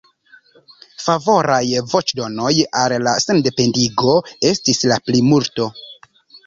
Favoraj voĉdonoj al la sendependigo estis la plimulto.